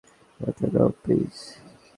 যেতে দাও প্লিজ।